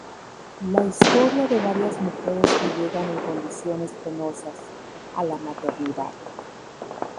La historia de varias mujeres que llegan en condiciones penosas a la maternidad.